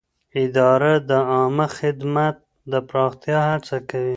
اداره د عامه خدمت د پراختیا هڅه کوي.